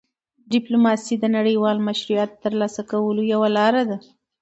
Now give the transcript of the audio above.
ډيپلوماسي د نړیوال مشروعیت ترلاسه کولو یوه لار ده.